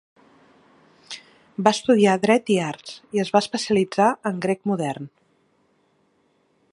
Va estudiar dret i arts, i es va especialitzar en grec modern.